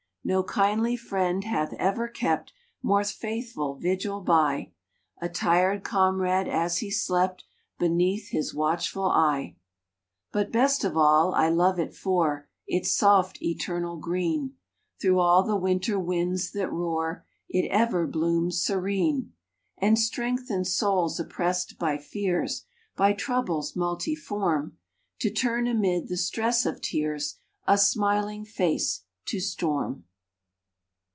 No kindly friend hath ever kept More faithful vigil by A tired comrade as he slept Beneath his watchful eye. [ 26] But best of all I love it for Its soft eternal green ; Through all the winter winds that roar It ever blooms serene ; And strengthens souls oppressed by fears, By troubles multiform, To turn amid the stress of tears A smiling face to storm